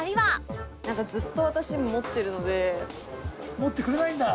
持ってくれないんだ。